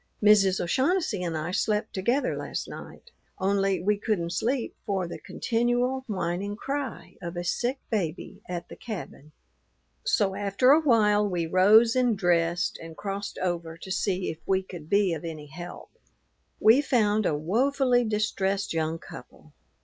Mrs. O'Shaughnessy and I slept together last night, only we couldn't sleep for the continual, whining cry of a sick baby at the cabin. So after a while we rose and dressed and crossed over to see if we could be of any help. We found a woefully distressed young couple.